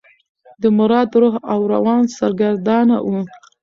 د مراد روح او روان سرګردانه و.